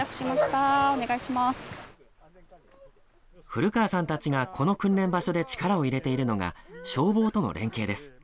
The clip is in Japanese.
古川さんたちが、この訓練場所で力を入れているのが、消防との連携です。